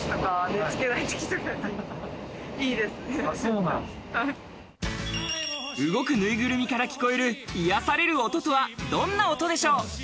ぬいぐるみから聞こえる癒やされる音とはどんな音でしょう？